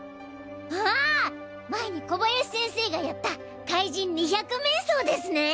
あぁ前に小林先生がやった怪人２００面相ですね！